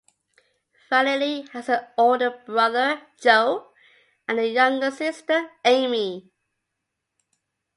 Vallely has an older brother, Joe, and a younger sister, Amy.